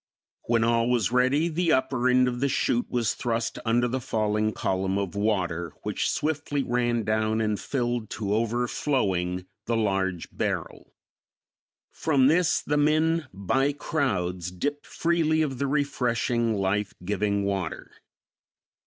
When all was ready the upper end of the chute was thrust under the falling column of water, which swiftly ran down and filled to overflowing the large barrel. From this the men by crowds dipped freely of the refreshing, life giving water.